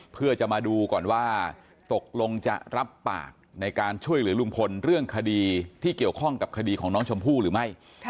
เพื่อจะมาดูก่อนว่าตกลงจะรับปากในการช่วยเหลือลุงพลเรื่องคดีที่เกี่ยวข้องกับคดีของน้องชมพู่หรือไม่